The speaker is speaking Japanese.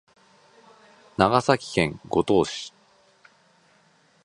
長崎県五島市